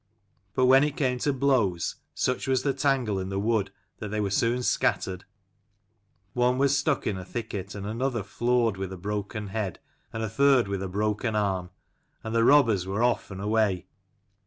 But when it came to blows, such was the tangle in the wood that they were soon scattered : one was stuck in a thicket, and another floored with a broken head, and a third with a broken arm ; and the robbers were off and away.